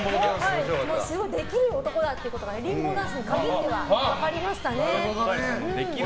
すごい、できる男だってことがリンボーダンスに限っては分かりましたね。